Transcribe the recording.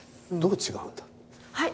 はい！